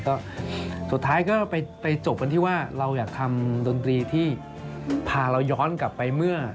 ก็สุดท้ายก็ไปจบกันที่ว่าเราอยากทำดนตรีที่พาเราย้อนกลับไปเมื่อ